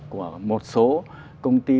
của một số công ty